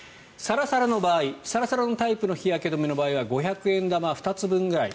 サラサラのタイプの日焼け止めの場合は五百円玉２つ分ぐらい。